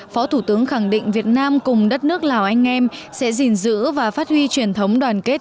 phó thủ tướng khẳng định việt nam cùng đất nước lào anh em sẽ gìn giữ và phát huy truyền thống đoàn kết